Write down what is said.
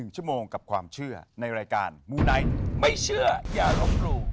๑ชั่วโมงกับความเชื่อในรายการมูไนท์ไม่เชื่ออย่าลบหลู่